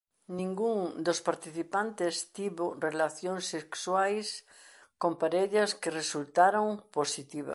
Ningún dos participantes tivo relacións sexuais con parellas que resultaron positivas.